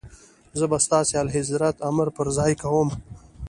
زه به ستاسي اعلیحضرت امر پر ځای کوم.